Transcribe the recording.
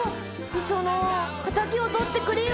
磯野敵をとってくれよ。